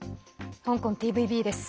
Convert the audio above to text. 香港ＴＶＢです。